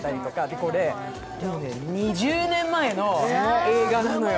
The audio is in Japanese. これ、２０年前の映画なのよ。